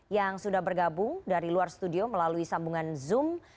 yang sudah bergabung dari luar studio melalui sambungan zoom